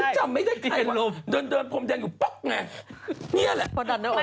ตัวของเองเดินโภมแดนก็แบบนี้